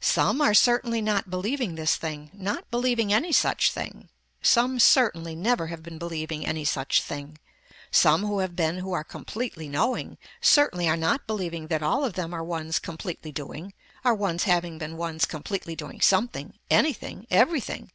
Some are certainly not believing this thing, not believing any such thing, some certainly never have been believing any such thing, some who have been who are completely knowing, certainly are not believing that all of them are ones completely doing, are ones having been ones completely doing something, anything, everything.